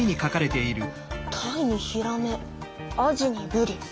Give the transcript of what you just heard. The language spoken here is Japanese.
タイにヒラメアジにブリ。